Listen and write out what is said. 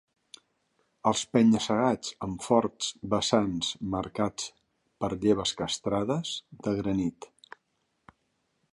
Els penya-segats amb forts vessants, marcats per lleves castrades de granit